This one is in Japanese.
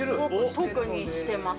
特にしてます。